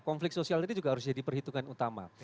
konflik sosial ini juga harus jadi perhitungan utama